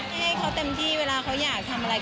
ให้เขาเต็มที่เวลาเขาอยากทำอะไร